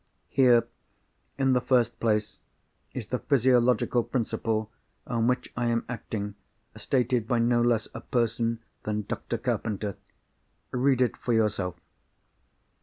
Here, in the first place, is the physiological principle on which I am acting, stated by no less a person than Dr. Carpenter. Read it for yourself."